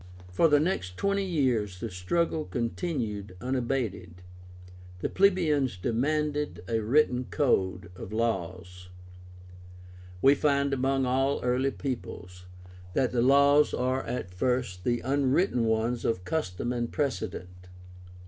For the next twenty years the struggle continued unabated. The plebeians demanded a WRITTEN CODE OF LAWS. We find among all early peoples that the laws are at first the unwritten ones of custom and precedent.